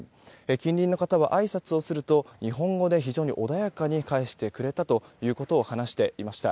近隣の方はあいさつをすると日本語で非常に穏やかに返してくれたということを話していました。